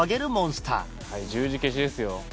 「十字消しですよ」